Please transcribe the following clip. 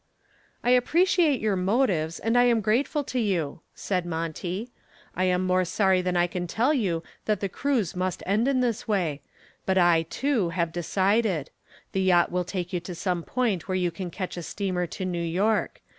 "I appreciate your motives and I am grateful to you," said Monty. "I am more sorry than I can tell you that the cruise must end in this way, but I too have decided. The yacht will take you to some point where you can catch a steamer to New York.